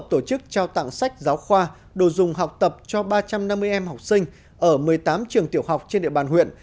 theo tạng sách giáo khoa đồ dùng học tập cho ba trăm năm mươi em học sinh ở một mươi tám trường tiểu học trên địa bàn huyện